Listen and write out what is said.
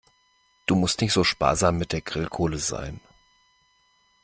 Du musst nicht so sparsam mit der Grillkohle sein.